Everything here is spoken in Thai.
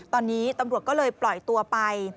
ตอนนี้ตำรวจก็เลยปล่อยตัวไป